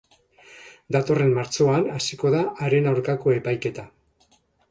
Datorren martxoan hasiko da haren aurkako epaiketa.